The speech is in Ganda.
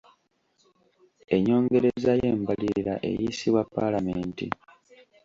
Ennyongereza y'embalirira eyisibwa paalamenti.